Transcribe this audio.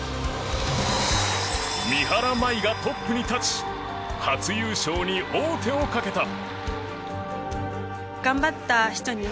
三原舞依がトップに立ち初優勝に王手をかけた。